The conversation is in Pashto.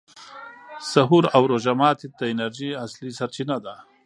سحور او روژه ماتي د انرژۍ اصلي سرچینه ده.